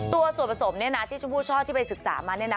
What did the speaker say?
ตัวส่วนผสมเนี่ยนะที่ฉันพูดชอบที่ไปศึกษามาเนี่ยนะ